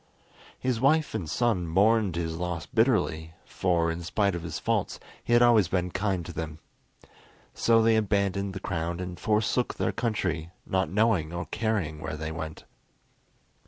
His wife and son mourned his loss bitterly, for, in spite of his faults, he had always been kind to them. So they abandoned the crown and forsook their country, not knowing or caring where they went.